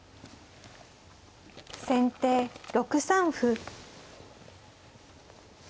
先手６三歩。